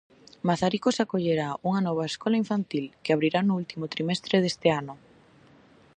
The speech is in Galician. Mazaricos acollerá unha nova escola infantil, que abrirá no último trimestre deste ano.